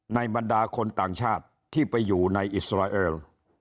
บรรดาคนต่างชาติที่ไปอยู่ในอิสราเอล